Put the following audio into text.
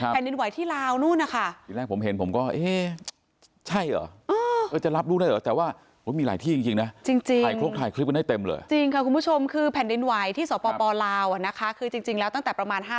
แผ่นดินไหวที่ลาวนู่นน่ะค่ะ